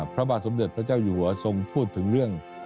พระบาทสมจรรย์พระเจ้าหัวสรุนพูดถึงเรื่อง